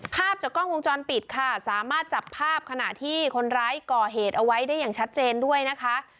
ภาพจากกล้องวงจรปิดค่ะสามารถจับภาพขณะที่คนร้ายก่อเหตุเอาไว้ได้อย่างชัดเจนด้วยนะคะ